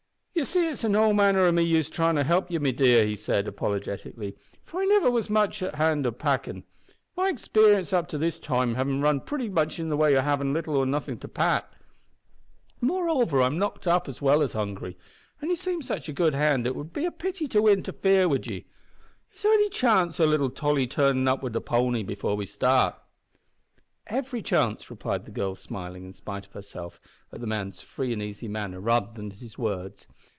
"Ye see it's o' no manner o' use me tryin' to help ye, my dear," he said, apologetically, "for I niver was much of a hand at packin', my exparience up to this time havin' run pretty much in the way o' havin' little or nothin' to pack. Moreover, I'm knocked up as well as hungry, an' ye seem such a good hand that it would be a pity to interfere wid ye. Is there any chance o' little Tolly turnin' up wi' the pony before we start?" "Every chance," replied the girl, smiling, in spite of herself, at the man's free and easy manner rather than his words.